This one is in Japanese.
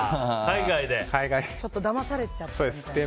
ちょっとだまされちゃって。